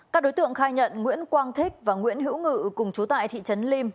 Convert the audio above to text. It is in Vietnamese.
các đối tượng khai nhận nguyễn quang thích và nguyễn hữu ngự cùng chú tại thị trấn lim